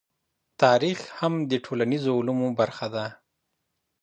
تاريخ هم د ټولنيزو علومو برخه ده.